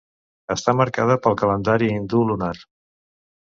Està marcada pel calendari hindú lunar.